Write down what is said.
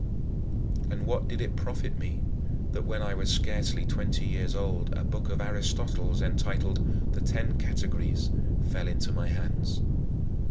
28. And what did it profit me that, when I was scarcely twenty years old, a book of Aristotle's entitled The Ten Categories fell into my hands?